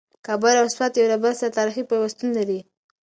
کابل او سوات یو له بل سره تاریخي پیوستون لري.